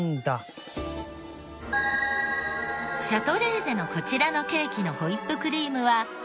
シャトレーゼのこちらのケーキのホイップクリームは。